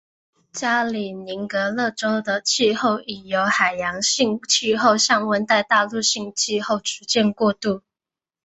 加里宁格勒州的气候已由海洋性气候向温带大陆性气候逐渐过渡。